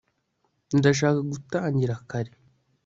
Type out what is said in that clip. ndashaka gutangira kare